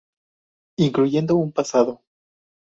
Incluyendo un pasado.